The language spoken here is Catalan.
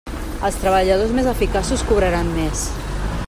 Els treballadors més eficaços cobraran més.